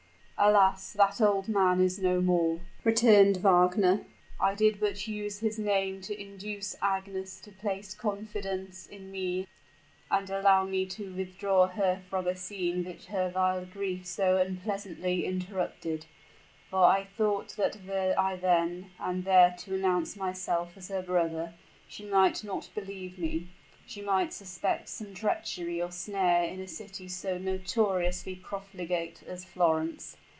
"Alas! that old man is no more," returned Wagner. "I did but use his name to induce Agnes to place confidence in me, and allow me to withdraw her from a scene which her wild grief so unpleasantly interrupted; for I thought that were I then and there to announce myself as her brother, she might not believe me she might suspect some treachery or snare in a city so notoriously profligate as Florence.